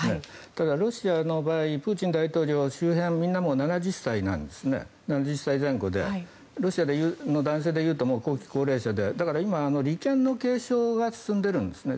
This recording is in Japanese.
ただ、ロシアの場合プーチン大統領の周辺はみんな７０歳なんですね７０歳前後でロシアの男性でいうと後期高齢者でだから今、利権の継承が進んでいるんですね。